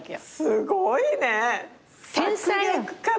すごいね。